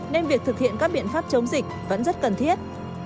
nên việc thực hiện các biện pháp chống dịch vẫn rất cần thiết